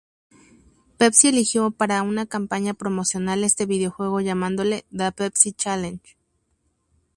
Pepsi eligió para una campaña promocional este videojuego llamándole "The Pepsi Challenge".